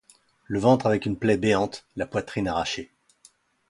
Le ventre avec une plaie béante, la poitrine arrachée.